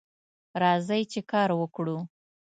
راځئ چې کار وکړو